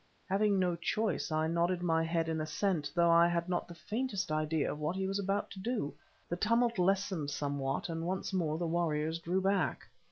Having no choice I nodded my head in assent, though I had not the faintest idea of what he was about to do. The tumult lessened somewhat, and once more the warriors drew back.